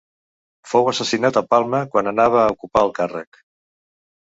Fou assassinat a Palma quan anava a ocupar el càrrec.